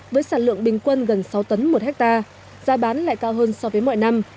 với sản lượng bình quân gần sáu tấn một hectare giá bán lại cao hơn so với mọi năm